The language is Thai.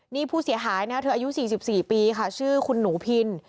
นี่ผู้เสียหายนะเธออายุ๔๔ปีค่ะชื่อคุณหนูพิน